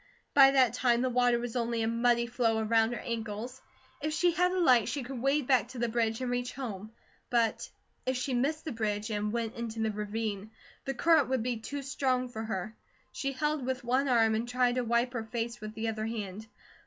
By that time the water was only a muddy flow around her ankles; if she had a light she could wade back to the bridge and reach home. But if she missed the bridge and went into the ravine, the current would be too strong for her. She held with one arm and tried to wipe her face with the other hand.